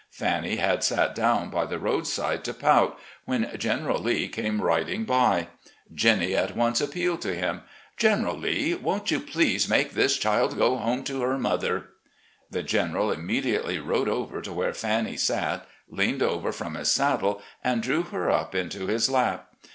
Fannie had sat down by the roadside to pout, when General Lee came riding by. Jennie at once appealed to him: "General Lee, won't you please make this child go home to her mother?" The General inomediately rode over to where Fannie sat, leaned over from his saddle and drew her up into his lap.